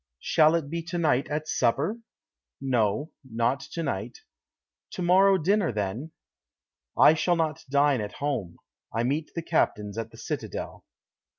"Shall it be to night at supper?" "No, not to night." "To morrow dinner, then?" "I shall not dine at home; I meet the captains at the citadel."